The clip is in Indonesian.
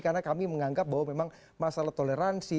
karena kami menganggap bahwa memang masalah toleransi